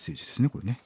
これね。